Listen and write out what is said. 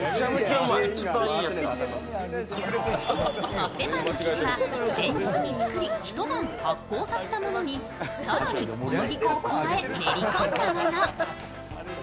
コッペパンの生地は前日に作り一晩発酵させたものに更に小麦粉を加え練り込んだもの。